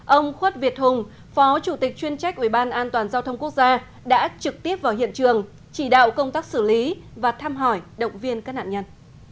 ông khuất việt hùng phó chủ tịch chuyên trách ủy ban an toàn giao thông quốc gia đã trực tiếp vào hiện trường chỉ đạo công tác xử lý và thăm hỏi động viên các nạn nhân